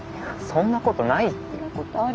そんなことないって。